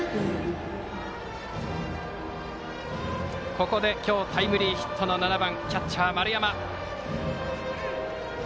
ここで今日タイムリーヒットの７番キャッチャー、丸山。